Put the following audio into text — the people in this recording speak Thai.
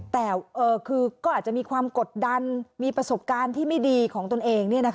แต่คือก็อาจจะมีความกดดันมีประสบการณ์ที่ไม่ดีของตนเอง